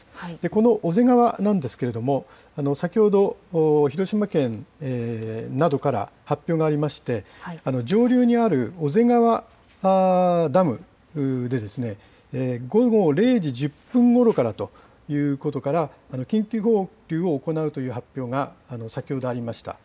この小瀬川なんですけれども、先ほど、広島県などから発表がありまして、上流にある小瀬川ダムで、午後０時１０分ごろからということから、緊急放流を行うという発表が先ほどありました。